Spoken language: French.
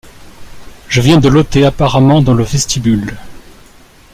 Je viens de l’ôter apparemment dans le vestibule.